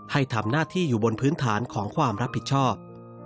ให้ทำหน้าที่อยู่บนพื้นฐานของความรับผิดชอบ